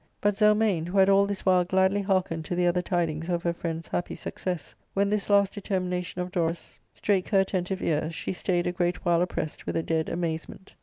But Zelmane, who had all this while gladly hearkened to the other tidings of her friend's happy success, when this last determination of Dorus strake 384 ARCADIA:— Book III. her attentive ears, she stayed a great while oppressed with a dead amazement.